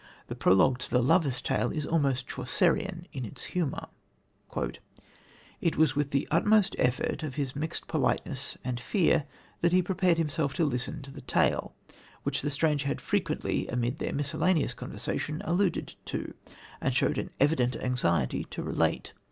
The prologue to the Lover's Tale is almost Chaucerian in its humour: "It was with the utmost effort of his mixed politeness and fear that he prepared himself to listen to the tale, which the stranger had frequently amid their miscellaneous conversation, alluded to, and showed an evident anxiety to relate.